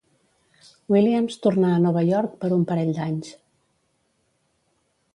Williams tornà a Nova York per un parell d'anys.